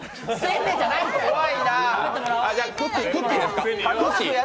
じゃあ、クッキーですか？